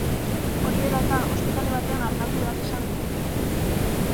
Hori dela eta, ospitale batean artatu behar izan dute.